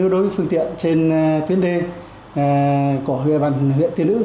đối với phương tiện trên tuyến đê của huyện huyện tiên lữ